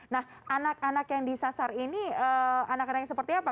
nah anak anak yang disasar ini anak anak yang seperti apa